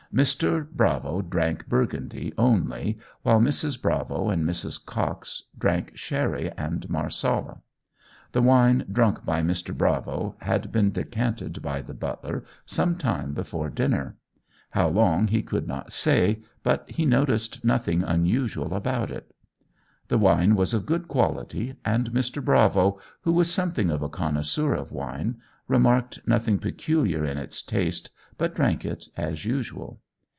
Mr. Bravo drank Burgundy, only, while Mrs. Bravo and Mrs. Cox drank sherry and Marsala. The wine drunk by Mr. Bravo had been decanted by the butler some time before dinner; how long he could not say, but he noticed nothing unusual with it. The wine was of good quality, and Mr. Bravo, who was something of a connoisseur of wine, remarked nothing peculiar in its taste, but drank it as usual.